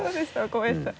若林さん。